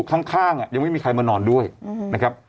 ข้างยังไม่มีใครมานอนด้วยนะครับ